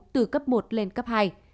từ cấp một lên cấp hai